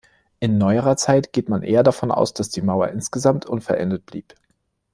In neuerer Zeit geht man eher davon aus, dass die Mauer insgesamt unvollendet blieb.